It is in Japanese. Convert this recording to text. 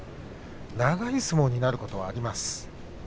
長い相撲になることはあります。